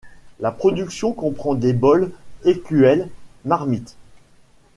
La production comprend des bols, écuelles, marmites.